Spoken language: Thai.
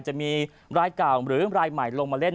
จะมีรายเก่าหรือรายใหม่ลงมาเล่น